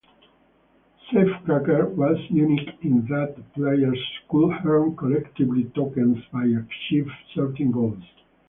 "Safecracker" was unique in that players could earn collectible tokens by achieving certain goals.